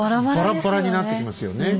バラバラになってきますよね。